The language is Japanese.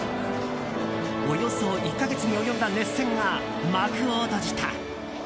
およそ１か月に及んだ熱戦が幕を閉じた。